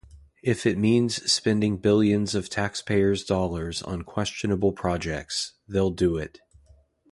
If it means spending billions of taxpayers' dollars on questionable projects, they'll do it.